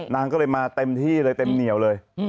นางก็เลยมาเต็มที่เลยเต็มเหนียวเลย